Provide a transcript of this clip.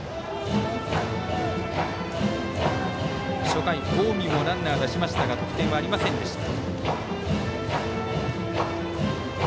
初回、近江もランナーを出しましたが得点はありませんでした。